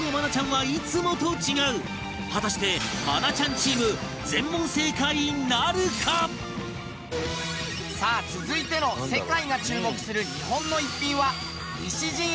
果たして愛菜ちゃんチームさあ続いての世界が注目する日本の逸品は。